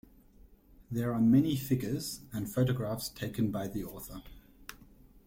There are many figures, and photographs taken by the author.